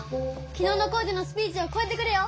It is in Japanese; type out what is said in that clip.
きのうの光司のスピーチをこえてくれよ！